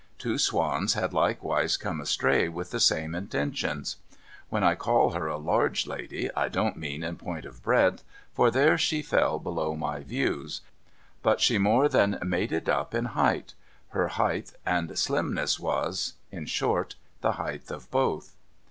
Two swans had likewise come astray with the same intentions, ^\'hen I call her a large lady, I don't mean in point of breadth, for there she fell below my views, but she more than made it up in heighth ; her heighth and slimness was — in short the heighth of both.